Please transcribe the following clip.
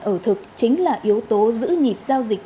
ở thực chính là yếu tố giữ nhịp giao dịch